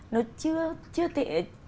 nó chưa chưa tệ